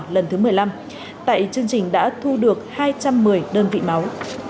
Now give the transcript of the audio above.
lần thứ một mươi năm tại chương trình đã thu được hai trăm một mươi đơn vị máu